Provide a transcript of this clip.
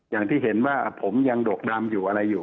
อย่างที่เห็นว่าผมยังดกดำอยู่อะไรอยู่